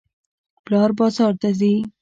پلار بازار ته ځي.